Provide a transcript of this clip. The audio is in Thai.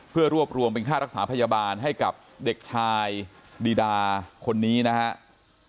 เพื่อรวบรวมเป็นค่ารักษาพยาบาลให้กับเด็กชายดีดาคนนี้นะครับ